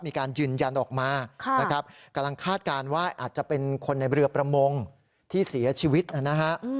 มีการยืนยันออกมานะครับกำลังคาดการณ์ว่าอาจจะเป็นคนในเรือประมงที่เสียชีวิตนะฮะ